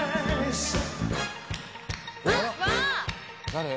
誰？